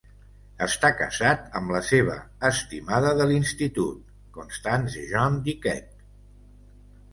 Està casat amb la seva estimada de l'institut, Constance Jean Duquette.